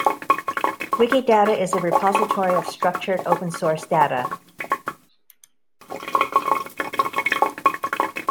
Wikidata is a repository of structured open source data.